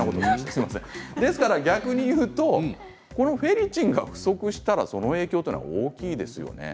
ですから逆に言うとこのフェリチンが不足したらその影響は大きいですよね。